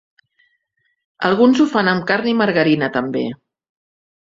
Alguns ho fan amb carn i margarina també.